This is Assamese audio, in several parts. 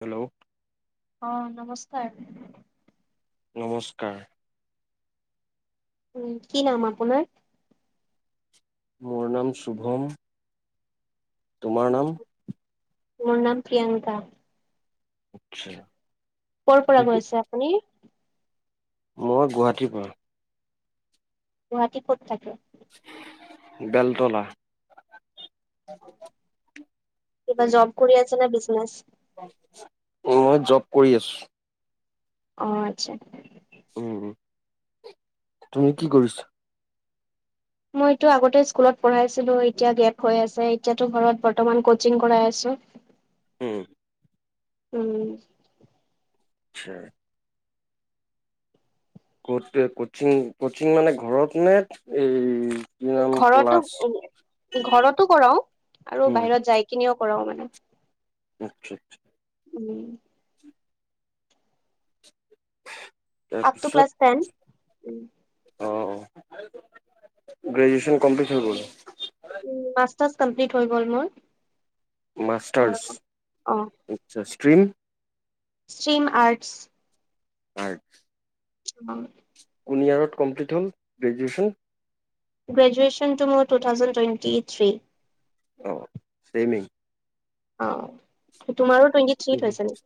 হেল্ল অ নমস্কাৰ নমস্কাৰ উম কি নাম আপোনাৰ মোৰ নাম শুভম তোমাৰ নাম মোৰ নাম প্ৰিয়ংকা আচ্ছা ক'ৰ পৰা কৈ আছে আপুনি মই গুৱাহাটীৰ পৰা। গুৱাহাটী ক'ত থাকে বেলতলা। [unintelligible] কিবা জব কৰি আছে নে বিজনেছ অ মই জব কৰি আছো। অ আচ্ছা। উম তুমি কি কৰিছা মইটো আগতে স্কুলত পঢ়াইছিলো এতিয়া গেপ হৈ আছে এতিয়াতো ঘৰত বৰ্তমান কচিং কৰাই আছো। উম উম আচ্ছা। কত কচিং কচিং মানে ঘৰত নে এই কি নাম ঘৰতো ক্লাছ ঘৰতো কৰাও আৰু উম বাহিৰত যাই কিনিও কৰাও মানে। আচ্ছা আচ্ছা উম আপ টু তাৰপিছত ক্লাছ টেন। অ অ গ্ৰেজুুৱেচন কমপ্লিট হৈ গ'ল উম মাষ্টাৰ কমপ্লিট হৈ গ'ল মোৰ। অ মাষ্টাৰ্ছ আচ্ছা ষ্ট্ৰিম ষ্ট্ৰীম আৰ্টছ। হয় অ কোন ইয়াৰত কমপ্লিট হ'ল গ্ৰেজুৱেচন গ্ৰেজুৱেচন টো মোৰ টু থাউজেন টুৱেটি থ্ৰী। অ চেইমিং। অ তোমাৰো টুৱেণ্টি থ্ৰীত হৈছে নেকি?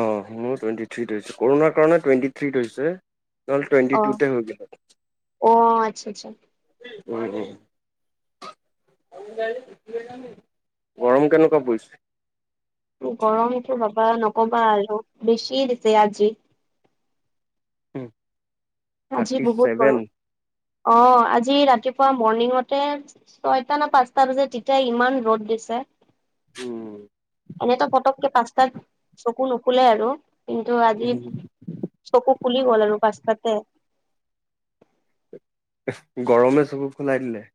অ মোৰ টুৱেণ্টি থ্ৰীত হৈছে কৰোণাৰ কাৰণে টুৱেণ্টি থ্ৰীত হৈছে। নহলে টুৱেটি টু তে হৈ গল হয়। অ আচ্ছা আচ্ছা। উম উম [inaudible] গৰম কেনেকুৱা পৰিছে গৰমটো কবা নকবা আৰু বেছি দিছে আজি। উম আজি বহুত গৰম অ আজি ৰাতিপুৱা মৰ্ণিঙতে ছয়টা না পাঁচটা বজাত তেতিয়া ইমান ৰ'দ দিছে উম, এনেতো পতককে পাঁচতাত চকু নুখুলে আৰু কিন্ত আজি চকু ফুলি গ'ল আৰু পাঁচটাতে গৰমে চকু ফুলাই দিলে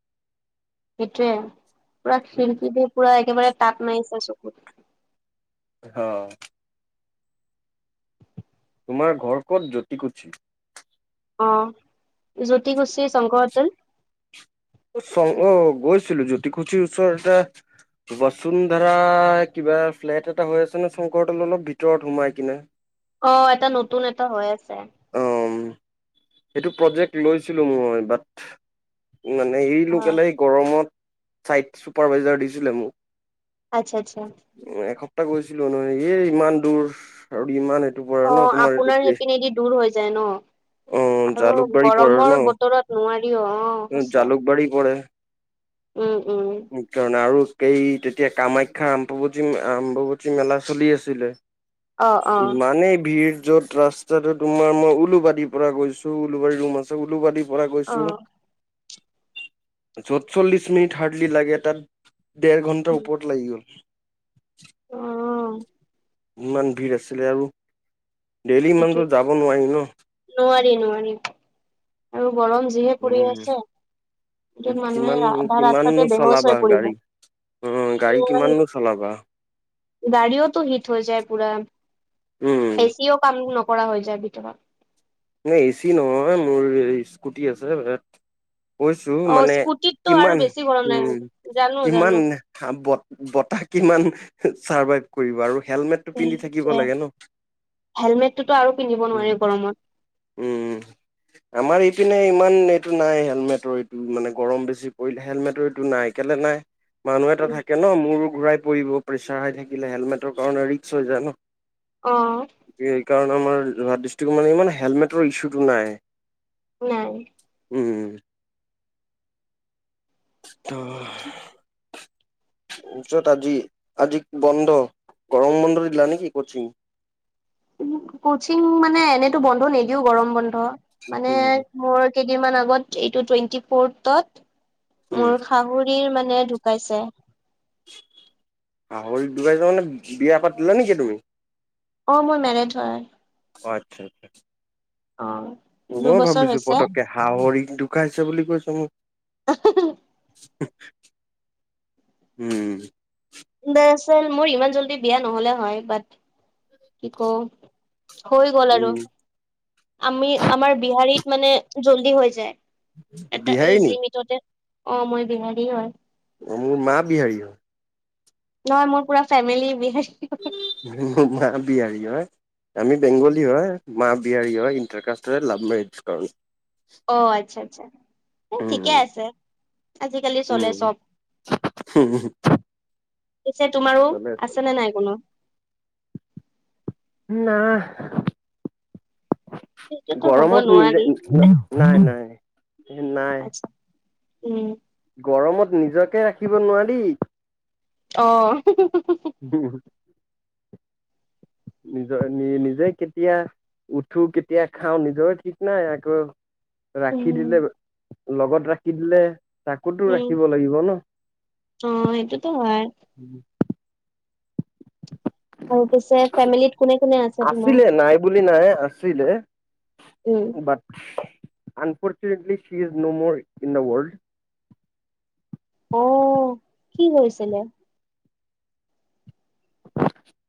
সেইটোৱে পুৰা খিৰিকী দি পুৰা একেবাৰে তাপ মাৰিছে চকুত অ তোমাৰ ঘৰ ক'ত জ্যোতি কচি অঁ' জ্যোতিকুছী শংকৰ হোটেল অ গৈছিলোঁ জ্যোতি কুচিৰ ওচৰতে বচোন ধাৰা কিবা ফ্লেট এটা হৈ আছে ন শংকৰ তলত অলপ ভিতৰত সোমাই কিনে। [inaudible] অ'এটা নতুন এটা হৈ আছে। অ', সেইটো প্ৰজেক্ট লৈছিলোঁ মই বাট মানে এৰিলো অ কেলে গৰমত চাইট চুপাৰভেজাৰ দিছিলে মোক আচ্ছা আচ্ছা উম এসপ্তাহ গৈছিলো আৰু এ ইমান দূৰ আৰু ইমান পৰে অ ন তোমাৰ এইটো আপোনাৰ সেইপিনেদি দূৰ হৈ যায় ন অ আৰু জালুকবাৰী পৰে ন গৰমৰ বতৰত নোৱাৰিও অ সঁচা ভৰি পৰে উম উম সেই কাৰণে আৰু এই তেতিয়া কামাখ্যা আম্বুবচী আম্বুবচী মেলা চলি আছিলে অ অ ইমানেই ভিৰ য'ত ৰাস্তাটো তোমাৰ মই উলুবাৰি পৰা গৈছো উলুবাৰীৰ ৰুম আছে উলুবাৰীৰ পৰা অ গৈছোঁ য'ত চল্লিশ মিনিট হাৰ্ডলি লাগে তাত দেৰ ঘন্টাৰ উম ওপত লাগি গ'ল অ ইমান ভিৰ আছিলে আৰু ডেইলি সেইটোৱে ইমানদূৰ যাব নোৱাৰি ন নোৱাৰি নোৱাৰি আৰু গৰম যিহে পৰি উম আছে যোন মানুহে কিমান আধা ৰাস্তাতে বেহুচ হৈ পৰিব উম গাড়ী কিমাননো চলাবা গাড়ীওটো হিট হৈ যায় পুৰা উম এচিও কাম নকৰা হৈ যায় ভিতৰত ন এচি নহয় মোৰ স্কুটি আছে কৈছো অ মানে স্কুটিতটো আৰু কিমান বেছি গৰম লাগে উম জানো কিমান জানো ব বতাহ কিমান চাৰ্ভাইভ কৰিব আৰু হেলমেট সেইতোৱে হেলমেটতোটো আৰু পিন্ধিব নোৱাৰে গৰমত উম আমাৰ ইপিনে ইমান এইটো নাই হেলমেটৰ এইটো মানে গৰম বেছি পৰিলে হেলমেটৰ এইটো নাই কেলে নাই মানুহ এটা থাকে ন মোৰ ঘূৰাই পৰিব প্ৰেছাৰ হৈ থাকিলে হেলমেটৰ কাৰণে ৰিক্স হৈ যায় ন অ সেইকাৰণে আমাৰ যোৰহাট ডিষ্ট্ৰিকৰ মানে ইমান হেলমেটৰ ইছুটো নাই নাই উম ত য'ত আজি আজি বন্ধ গৰম বন্ধ দিলা নেকি ক্ৰছিং ক্ৰছিং মানে এনেতো বন্ধ নিদিও গৰম বন্ধ মানে উম মোৰ [inaudible] আগত উম মোৰ সৰি ম ঢুকাইছে। শাহুৰি ঢুকাইছে মানে বিয়া পাতিলা নেকি তুমি। অ' মই মেৰেট হয়। অ' আচ্ছা আচ্ছা। অ'। মই দুবছৰ ভাবিছোঁ হৈছে পতকে শাহুৰিক ঢুকাইছে বুলি কৈছে মোক। উম। মোৰ ইমান জল্দি বিয়া নহ'লে হয় বাট কি ক'ম, হৈ গ'ল আৰু। উম আমি আমাৰ বিহাৰীত মানে জল্দি হৈ যায়। এটা বিহাৰী এইজ নি লিমিটতে অ' মই বিহাৰী হয়। অ মোৰ মা বিহাৰী হয়। নহয় মোৰ পুৰা ফেমিলি বিহাৰী হয়। মা বিহাৰী হয় আমি বেংগলী হয়। মা বিহাৰি হয় ইণ্টাৰকাসষ্টৰে লাভ মেৰিজ কৰণ। অ আচ্ছা আচ্ছা, ঠিকে উম আছে। আজিকালি চলে উম চব। পিছে তোমাৰো চলে আছে চলে নে নাই কোনো। না। সেইটোতো হ'ব গৰমত নিজে নোৱাৰি নাই নাই নাই। আচ্ছা উম। গৰমত নিজকে ৰাখিব নোৱাৰি। অ'। উম! নিজৰ নি নিজে কেতিয়া উঠো কেতিয়া খাওঁ নিজৰে ঠিক নাই আকৌ উম ৰাখি দিলে, লগত ৰাখি দিলে। তাকোতো উম ৰাখিব লাগিব ন। অ সেইটোতো হয় আৰু পিছে ফেমিলিত কোনে কোনে আ আছিলে নাই বুলি নাই আছিলে, um but unfortunately she is no more in the world. অ' কি হৈছিলে।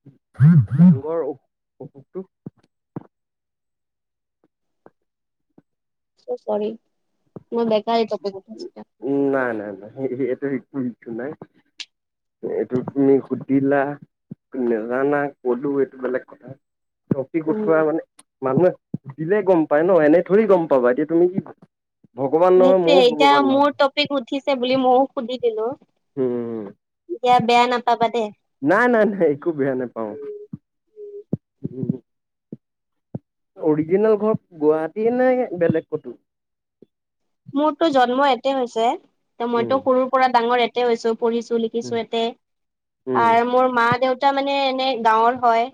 [unintelligible] অসুখটো। চ' চৰি মই বেকাৰ এই [unintelligible] উম, নাই নাই নাই এ এইটো একো ইছু নাই। এইটো তুমি সুধিলা, নেজানা ক'লো এইটো বেলেগ কথা। ট'পিক উম উঠোৱা মানে মানুহে সুধিলে গ'ম পায় ন' এনে থৰি গ'ম পাবা এতিয়া তুমি কি, ভগৱান নহয় নহ। সেইটোয়ে এতিয়া মোৰ ট'পিক উঠিছে বুলি মইয়ো সুধি দিলো। উম, এতিয়া বেয়া নাপাবা দে। নাই নাই নাই একো বেয়া নেপাওঁ। উম। অৰজিনেল ঘৰ গুৱাহাটী নে বেলেগ ক'তো। মোৰটো জন্ম এতে হৈছে, ত' উম, মইতো সৰুৰ পৰা ডাঙৰ এতে হৈছো, পঢ়িছো লি কৰিছো এতে। উম, আৰ মোৰ মা দেউতা মানে এনে গাঁৱৰ হয়।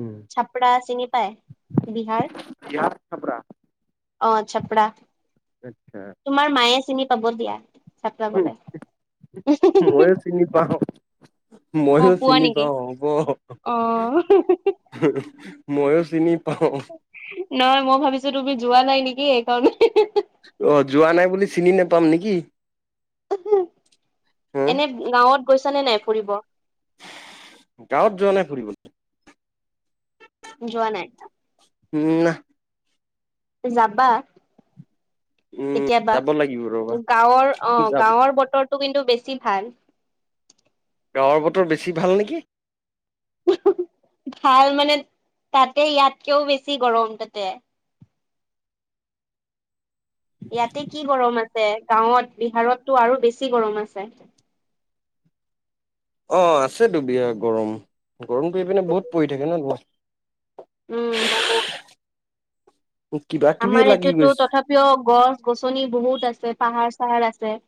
উম। চাপৰা চিনি পায়? বিহাৰ। বিহাৰ চাপৰা। অঁ চপৰা। আচ্ছা। তোমাৰ মায়ে চিনি পাব দিয়া। চাপৰা হু গলে হু ময়ো চিনি পাওঁ। অ ময়ো পোৱা চিনি নেকি পাওঁ, হ'ব। অ [unintelligible] ময়ো চিনি পাওঁ। নহয় মই ভাবিছোঁ তুমি যোৱা নাই নেকি? সেইকাৰণে। অ' যোৱা নাই বুলি চিনি নোপাম নিকি? হম, এনেই গাঁৱত গৈছ নে নাই ফুৰিব? গাঁৱত যোৱা নাই ফুৰিবলে। যোৱা নাই? না যাবা? উম, কেতিয়াবা, যাব লাগিব ৰ'বা। গাঁৱৰ অঁ যাম, গাঁৱৰ বতৰটো কিন্তু বেছি ভাল। গাঁৱৰ বতৰ বেছি ভাল নেকি? ভাল মানে, তাতে ইয়াতকেও বেছি গৰম তাতে। ইয়াতে কি গৰম আছে, গাঁৱত বিহাৰতটো আৰু বেছি গৰম আছে। অ' আছেতো বিহাৰ গৰম, গৰমটো এইপিনে বহুত পৰি থাকে ন'। উম বহুত। কিবা কিবি আমাৰ লাগি এইতোত গৈছে। তথাপিও গছ -গছনি বহুত আছে, পাহাৰ চাহাৰ আছে।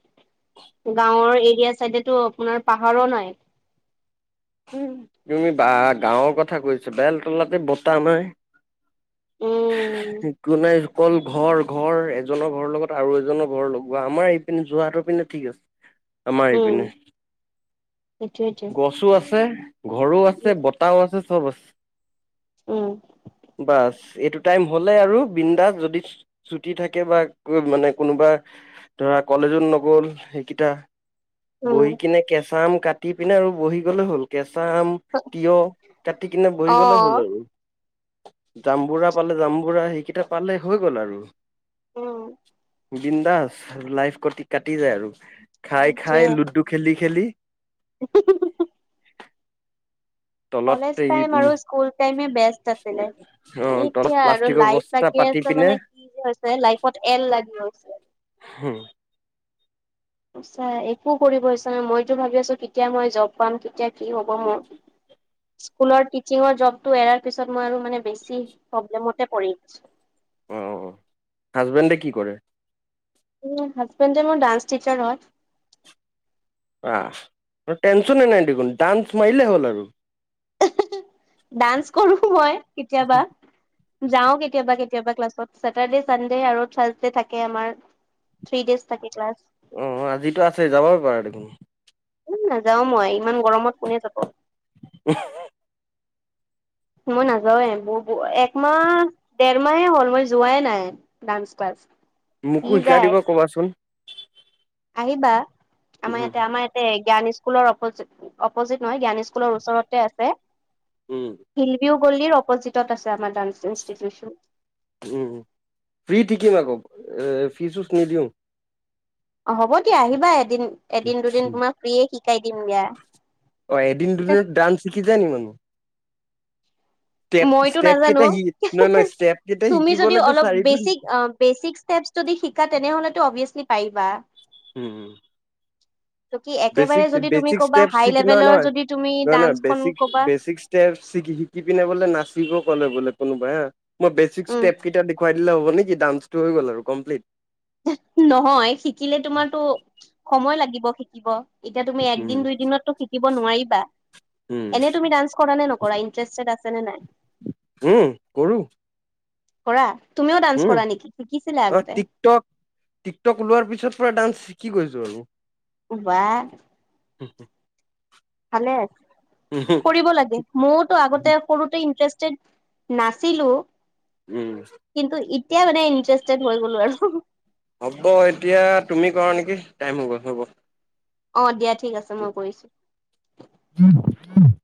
গাঁৱৰ এৰিয়া চাইডেতো আপোনাৰ পাহাৰো নাই। তুমি বা গাঁৱৰ কথা কৈছা, বেলতলাতে বতাহ মাৰে। উম [unintelligible] একো নাই। অকল ঘৰ ঘৰ। এজনৰ ঘৰৰ লগত আৰু এজনৰ ঘৰৰ লগোৱা আমাৰ এইপিনে যোৰহাটৰ পিনে ঠিক আছে। আমাৰ ইপিনে উম। সেইটোৱেটো গছো আছে। ছে ঘৰো আছে বতাহও আছে চব আছে। উম বাচ এইটোত টাইম হ'লে আৰু বিন্দাচ যদি চ ছুটি থাকে বা মানে কোনোবা ধৰা কলেজো নগ'ল সেইকিটা বহি উম কিনে কেঁচা আম কাটি পিনে আৰু বহি গ'লে হ'ল। কেঁচা আম তিয়ঁহ কাটি কিনে বহি গ'লে হ'ল অ' আৰু। জামবুঢ়া পালে জামবুঢ়া সেইকিটা পালে হৈ গ'ল আৰু। উম। বিন্দাস লাইফ কটি কাটি যায় আৰু খাই খাই লুডু খেলি খেলি। হ [unintelligible] তলত কজ এই উম আৰু স্কুল টাইমে বেষ্ট আছিলে, অ তলত এতিয়া আৰু প্লাষ্টিকৰ লাইফ বস্তা বাকী পাতি আছে পিনে মানে কি হৈছে লাইফত এল লাগি হৈছে। হে চা একো কৰিব ইচছা নাই মইতো ভাবি আছো কেতিয়া মই জব। পাম কেতিয়া কি হ'ব মোৰ? স্কুলৰ তিচিঙৰ জবটো এৰাৰ পিছত মই বেছি প্ৰবেলেমতে পৰি আহিছো। অঁ-অঁ! হাজবেণ্ডে কি কৰে? [inaudible] [unintelligible] হাজবেণ্ডে মোৰ ডান্স টিচাৰ হয়। [inaudible] টেনচনে নাই দেখোন ডান্স মাৰিলেই হ'ল আৰু। ডান্স কৰো মই কেতিয়াবা। [inaudible] যাওঁ কেতিয়াবা-কেতিয়াবা ক্লাছত। ছেটাৰ্ডে, চানডে আৰু থ্ৰাচডে থাকে আমাৰ। [inaudible] থ্ৰী ডেজ থাকে ক্লাছ। [inaudible] উম! আজিতো আছে যাবই পাৰা দেখোন। [inaudible] উম নাযাওঁ মই ইমান গৰমত কোনে যাব। [unintelligible] [inaudible] মই নাযাওঁৱে ব একমাহ, দেৰমাহে হ'ল মই যোৱাই নাই। [inaudible] ডান্স ক্লাছ যাব [unintelligible] মোকো শিকাই দিব ক'বা চোন। [unintelligible] আহিবা আমাৰ উম ইয়াতে আমাৰ ইয়াতে জ্ঞান স্কুলৰ অপজিত [unintelligible] অপজিত নহয় জ্ঞান স্কুলৰ ওচৰ আছে। উম শিল [inaudible] গল্লিৰ অপজিতত আছে আমাৰ ডান্স ইনষ্টিটিউচন। [unintelligible] উম! ফ্ৰী থিকিম আকৌ এ ফ্ৰি চ [inaudible] নিদিওঁ। অঁ হ'ব দিয়া আহিবা এদিন-এদিন, দুদিন তোমাক ফ্ৰিয়ে শিকাই দিম দিয়া। [inaudible] অ! এদিন-দুদিনত ডান্স শিকি যায় নি মানুহ? [inaudible] ষ্টেপ মইতো ষ্টেপ নাজানো। কেইটা শি নহয় নহয় ষ্টেপ কেইটা তুমি যদি শিকিবলেতো অলপ চাৰিদিন বেচিক-বেচিক ষ্টেপ [unintelligible] যদি শিকা তেনেহ'লেতো অবিয়েচলি পাৰিবা। [unintelligible] উম-উম! [inaudible] কি একেবাৰে যদি তুমি বেচিক-বেচিক ক'বা ষ্টেপচ হাই শিকি লেভেলৰ যদি তুমি নহয়-নহয়-নহয় ডান্সখন ক'বা বেচিক-বেচিক [unintelligible] ষ্টেপ শিকি পিনে বোলে নাচিব কলে বোলে কোনোবাই হা মই বেচিক উম ষ্টেপ কেইটা দে [unintelligible] খুৱাই দিলে হ'ব নেকি? ডানসটো হৈ গ'ল আৰু কমপ্লিট। [unintelligible] নহয় শিকিলে তোমাৰতো সময় লাগিব শিকিব। [inaudible] এতিয়া তুমি উম একদিন, দুই দিনতো শিকিব নোৱাৰিবা। [unintelligible] উম এনেই তুমি ডান্স কৰা নে নকৰা ইণ্টাৰেষ্টেড আছে নে নাই? [inaudible] উম! কৰো। [inaudible] কৰা তুমিও ডান্স কৰা নেকি? শিকিছিলা আগতে? [unintelligible] টিকটক-টিকটক ওলোৱাৰ পিছত পুৰা ডান্স শিকি গৈছো আৰু। [unintelligible] [inaudible] বাহ [unintelligible] ভালে। কৰিব লাগে ময়োতো আগতে সৰুতে ইণ্টাৰেষ্টেড। [unintelligible] নাছিলো উম কিন্তু এতিয়া মানে ইন্টাৰেষ্টেড হৈ গ'লো আৰু। [inaudible] হ'ব এতিয়া তুমি কৰা নেকি টাইম হৈ গল হ'ব। [inaudible] অঁ! দিয়া ঠিক আছে মই কৰিছো। [unintelligible] [inaudible]